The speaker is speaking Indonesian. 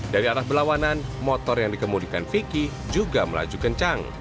dari arah berlawanan motor yang dikemudikan vicky juga melaju kencang